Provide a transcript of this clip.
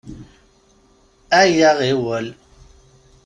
Ayya, ɣiwel!